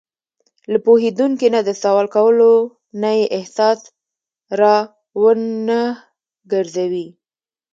له پوهېدونکي نه د سوال کولو نه یې احساس را ونهګرځوي.